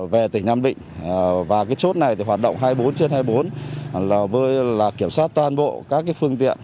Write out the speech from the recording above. về tỉnh nam định và cái chốt này thì hoạt động hai mươi bốn trên hai mươi bốn là kiểm soát toàn bộ các phương tiện